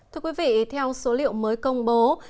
thưa quý vị theo số liệu mới công bố